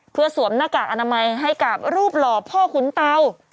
เพื่อสวมหน้ากากอนามัยให้กับรูปหล่อพ่อขุนเตา